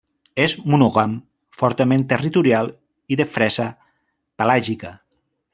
És monògam, fortament territorial i de fresa pelàgica.